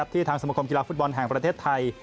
ทางสมคมกีฬาฟุตบอลแห่งประเทศไทย